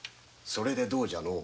それでどうじゃ？